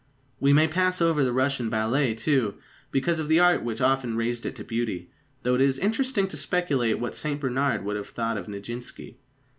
We may pass over the Russian ballet, too, because of the art which often raised it to beauty, though it is interesting to speculate what St Bernard would have thought of Nijinsky.